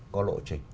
có lộ trình